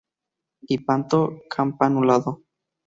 Hipanto campanulado.